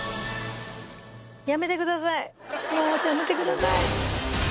もうやめてください！